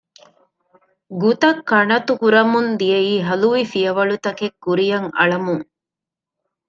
ގުތައް ކަޑަތުކުރަމުން ދިޔައީ ހަލުވި ފިޔަވަޅުތަކެއް ކުރިއަށް އަޅަމުން